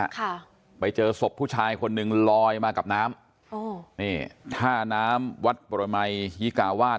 ค่ะไปเจอศพผู้ชายคนหนึ่งลอยมากับน้ำอ๋อนี่ท่าน้ำวัดปรมัยฮิกาวาส